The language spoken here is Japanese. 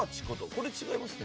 これ違いますね？